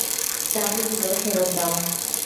চাবিগুলো ফেরত দাও।